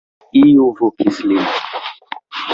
Iu vokis lin.